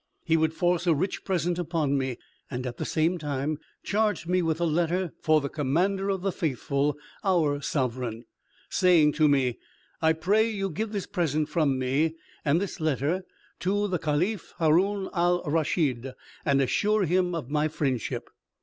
He would force a rich present upon me; and at the same time charged me with a letter for the Commander of the Faithful, our sovereign, saying to me, "I pray you give this present from me, and this letter, to the Caliph Haroun al Raschid, and assure him of my friendship."